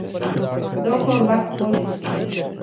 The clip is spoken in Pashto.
دا کار وخت غواړي.